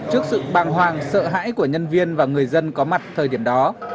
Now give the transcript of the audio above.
trước sự bàng hoàng sợ hãi của nhân viên và người dân có mặt thời điểm đó